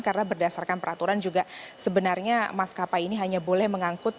karena berdasarkan peraturan juga sebenarnya maskapai ini hanya boleh mengangkut